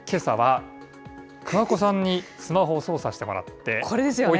けさは桑子さんにスマホを操作してもらって。